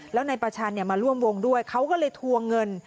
แล้วนายประชันมาร่วมวงด้วยเขาก็เลยทวงเงิน